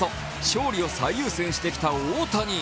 勝利を最優先してきた大谷。